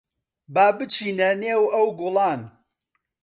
با بچینە نێو ئەو گوڵان.